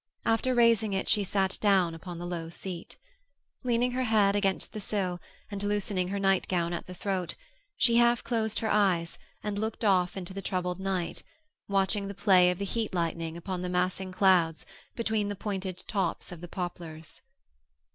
After raising it she sat down upon the low seat. Leaning her head against the sill, and loosening her nightgown at the throat, she half closed her eyes and looked off into the troubled night, watching the play of the heat lightning upon the massing clouds between the pointed tops of the poplars.